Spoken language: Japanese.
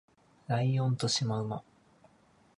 ライオンとシマウマ